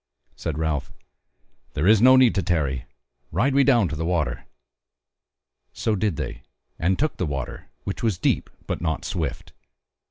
Said Ralph: "There is no need to tarry, ride we down to the water." So did they, and took the water, which was deep, but not swift.